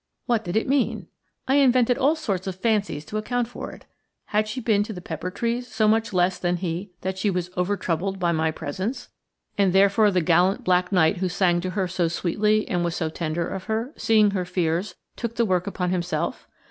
What did it mean? I invented all sorts of fancies to account for it. Had she been to the pepper trees so much less than he that she was over troubled by my presence, and therefore the gallant black knight who sang to her so sweetly and was so tender of her, seeing her fears, took the work upon himself?